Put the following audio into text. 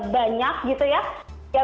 banyak gitu ya ya